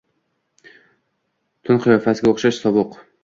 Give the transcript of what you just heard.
Tund qiyofasiga o’xshash sovuq